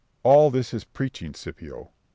All this is preaching, Scipio. Scip.